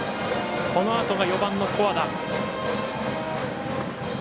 このあとが４番の古和田。